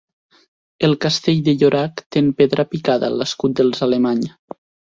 El castell de Llorac té en pedra picada l'escut dels Alemany.